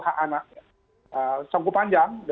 anak anak sangku panjang